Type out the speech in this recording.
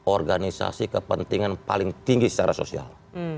organisasi kepentingan paling tinggi secara sosial